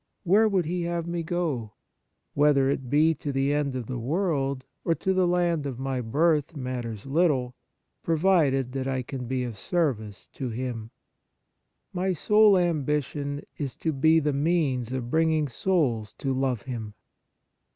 Where would He have me go? Whether it be to the end of the world or to the land of my birth matters little, provided that I can be of service to Him. My sole ambition is to be the means of bringing souls to love Him."